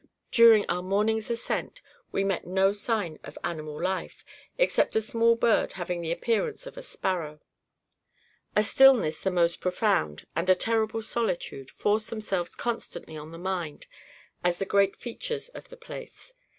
During our morning's ascent, we met no sign of animal life, except a small bird having the appearance of a sparrow. A stillness the most profound and a terrible solitude forced themselves constantly on the mind as the great features of the place.